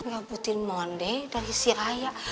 dapetin mondi dari si raya